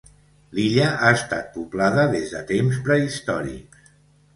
L'illa ha estat poblada des de temps prehistòrics.